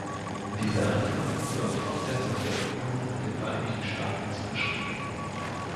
Dieser Angriff wird von der Sowjetunion den Vereinigten Staaten zugeschrieben.